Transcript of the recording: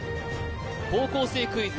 高校生クイズ